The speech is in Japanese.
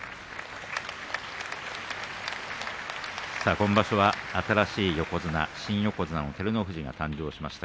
今場所は新しい横綱新横綱照ノ富士が誕生しました。